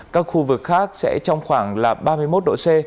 các khu vực khác sẽ trong khoảng là ba mươi một độ c